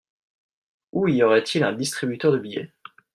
Où y aurait-il un distributeur de billets ?